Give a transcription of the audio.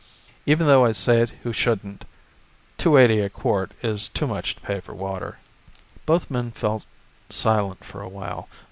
"Even though I say it who shouldn't, two eighty a quart is too much to pay for water." Both men fell silent for a while.